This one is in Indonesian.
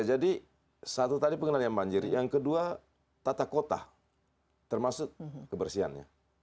jadi satu tadi pengenalan yang banjir yang kedua tata kota termasuk kebersihannya